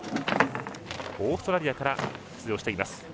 オーストラリアから出場してます。